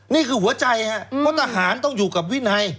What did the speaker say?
นี่คือหัวใจครับเพราะทหารต้องอยู่กับวินัย